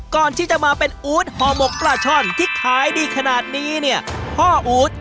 ก่อนที่จะมาเป็นอู๊ดห่อหมกปลาช่อนที่ขายดีขนาดนี้เนี่ยพ่ออู๊ด